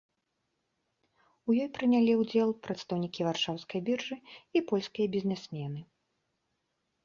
У ёй прынялі ўдзел прадстаўнікі варшаўскай біржы і польскія бізнесмены.